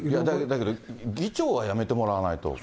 だけど議長は辞めてもらわないと。